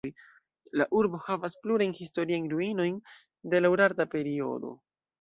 La urbo havas plurajn historiajn ruinojn de la urarta periodo.